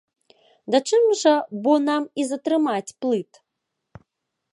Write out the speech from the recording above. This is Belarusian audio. Да чым жа бо нам і затрымаць плыт?